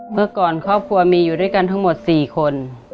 เมื่อก่อนครอบครัวมีอยู่ด้วยกันทั้งหมด๔คน